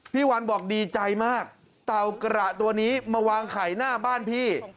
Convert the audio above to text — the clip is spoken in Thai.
พี่วันบอกดีใจมากเต่ากระตัวนี้มาวางไข่หน้าบ้านพี่